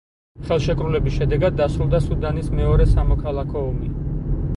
ხელშეკრულების შედეგად დასრულდა სუდანის მეორე სამოქალაქო ომი.